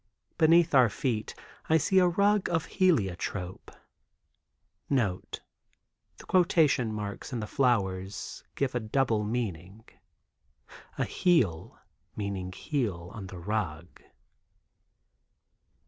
Beneath our feet I see a rug of "hel"iotrope. (NOTE. The quotation marks in the flowers give a double meaning. A "hel" meaning heel on the rug.)